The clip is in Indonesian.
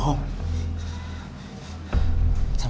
aku mau ke rumah